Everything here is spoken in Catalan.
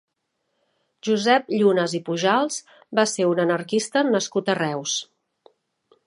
Josep Llunas i Pujals va ser un anarquista nascut a Reus.